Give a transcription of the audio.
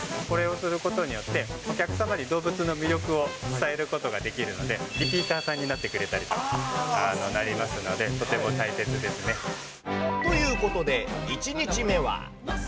これをすることによってお客様にどうぶつの魅力を伝えることができるので、リピーターさんになってくれたりとかなりますので、とても大切でということで、１日目は。